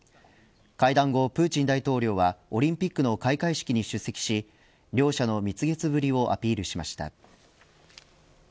会談後、プーチン大統領はオリンピックの開会式に出席し両者の蜜月ぶりをアピールしました。